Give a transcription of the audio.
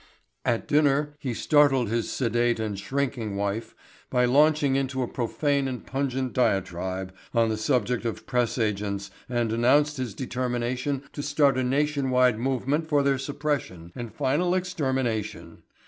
At dinner he startled his sedate and shrinking wife by launching into a profane and pungent diatribe on the subject of press agents and announced his determination to start a nation wide movement for their suppression and final extermination.